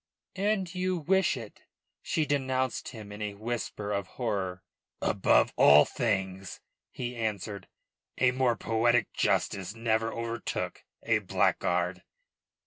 "And you wish it!" she denounced him in a whisper of horror. "Above all things," he answered. "A more poetic justice never overtook a blackguard."